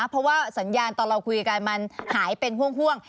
เพราะว่าสัญญาณตอนเราคุยกันมันหายเป็นห่วง